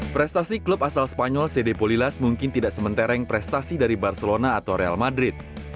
prestasi klub asal spanyol cd polilas mungkin tidak sementereng prestasi dari barcelona atau real madrid